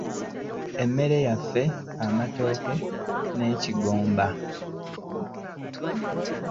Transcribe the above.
Emmere yaffe, amatooke n'ekigomba.